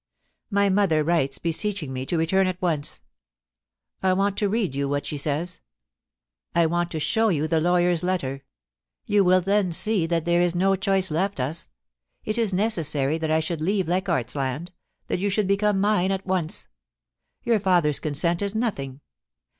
My mother writes beseeching me to return at once I want to read you what she says. I want to show you the lawyer's letter ; you will then see that there is no choice left us. It is necessary that I should leave Leichardt's Land — that you should become mine at once Your father's consent is nothing.